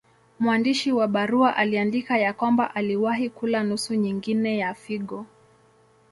Mwandishi wa barua aliandika ya kwamba aliwahi kula nusu nyingine ya figo.